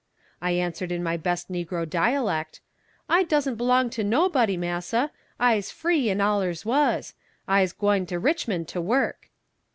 I answered in my best negro dialect: "I dusn't belong to nobody, Massa, I'se free and allers was; I'se gwyne to Richmond to work."